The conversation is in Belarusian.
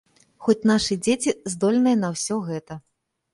Хоць нашы дзеці здольныя на ўсё гэта.